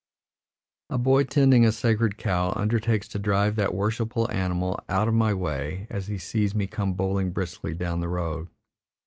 A boy tending a sacred cow undertakes to drive that worshipful animal out of my way as he sees me come bowling briskly down the road.